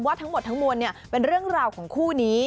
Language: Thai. ทั้งหมดทั้งมวลเป็นเรื่องราวของคู่นี้